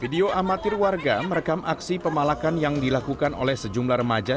video amatir warga merekam aksi pemalakan yang dilakukan oleh sejumlah remaja